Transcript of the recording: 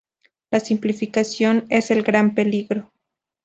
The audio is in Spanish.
La simplificación es el gran peligro".